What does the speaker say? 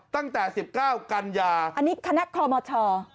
ตั้งแต่๑๙กันยาอันนี้คณะคอมช